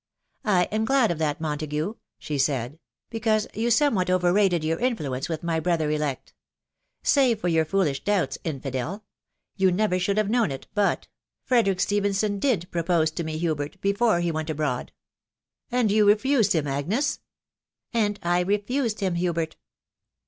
" 1 am glad of that, Montague/' she said, " because you somewhat over rated your influence with my brother elect. Save for your foolish doubts, infidel !.... you never should have known it, but .... Frederick Stephenson did propose to me, Hubert, before he went abroad." " And you refused him. Agnes !"" And 1 refused him, Hubert."